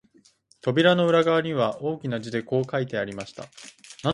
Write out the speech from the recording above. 扉の裏側には、大きな字でこう書いてありました